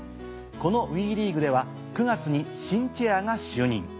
このＷＥリーグでは９月に新チェアが就任。